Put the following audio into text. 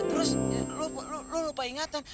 terus lu lupa ingatan